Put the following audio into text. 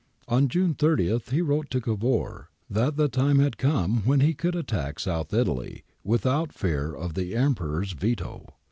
On June 30 he wrote to Cavour that the time had come when he could attack South Italy without fear of the Emperor's veto.